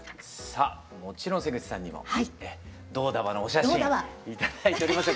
さあもちろん瀬口さんにもどうだばのお写真頂いております。